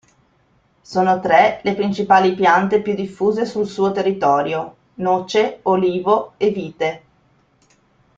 Sono tre le principali piante più diffuse sul suo territorio: noce, olivo e vite.